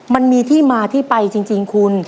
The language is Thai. มันมีที่มาที่ไปจริงคุณ